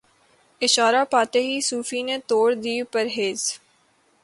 اشارہ پاتے ہی صوفی نے توڑ دی پرہیز